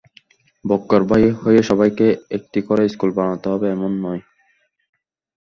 বক্কর ভাই হয়ে সবাইকে একটি করে স্কুল বানাতে হবে এমন নয়।